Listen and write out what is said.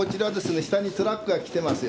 下にトラックが来てますよ。